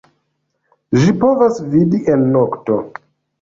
Ĝi povas vidi en nokto.